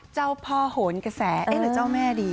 เจ้าพ่อโหนกระแสเอ๊ะหรือเจ้าแม่ดี